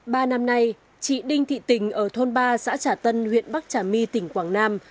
ba năm nay chị đinh thị tình ở thôn ba xã trà tân huyện bắc trà my tỉnh quảng nam